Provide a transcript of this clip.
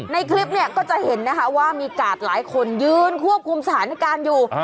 ในคลิปเนี่ยก็จะเห็นนะคะว่ามีกาดหลายคนยืนควบคุมสถานการณ์อยู่